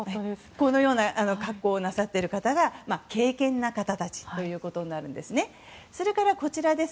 このような格好をなさっている方が敬虔な方たちということになるわけです。